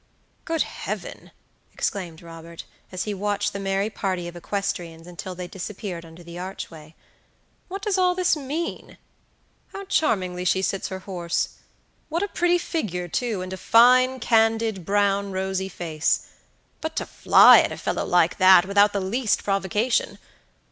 "Good Heaven!" exclaimed Robert, as he watched the merry party of equestrians until they disappeared under the archway. "What does all this mean? How charmingly she sits her horse! What a pretty figure, too, and a fine, candid, brown, rosy face: but to fly at a fellow like that, without the least provocation!